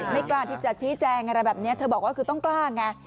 ไม่กล้าที่จะชี้แจงอะไรแบบนี้เธอบอกว่าคือต้องกล้าไง